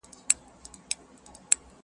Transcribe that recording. ساقي نن مي خړوب که شپه تر پایه مستومه٫